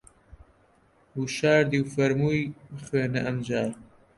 وشاردی و فەرمووی: بخوێنە ئەمجار